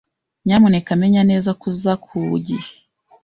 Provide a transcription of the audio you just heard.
Nyamuneka menye neza ko uza ku gihe.